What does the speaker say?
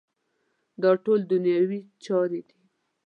دا ټول دنیوي چارې دي.